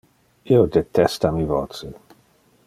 Io detesta mi voce.